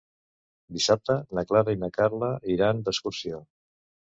Dissabte na Clara i na Carla iran d'excursió.